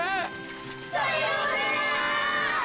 さようなら！